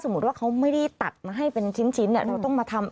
สมมุติว่าเขาไม่ได้ตัดนะให้เป็นชิ้นเนี้ยเรามาทำ